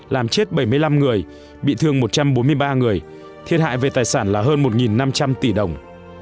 làm chết bảy mươi năm người bị thương một trăm bốn mươi ba người thiệt hại về tài sản là hơn một năm trăm linh tỷ đồng